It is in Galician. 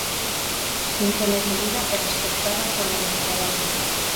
Síntome querida e respectada polo lectorado.